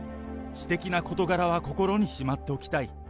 私的な事柄は心にしまっておきたい。